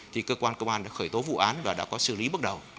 thì cơ quan công an đã khởi tố vụ án và đã có xử lý bước đầu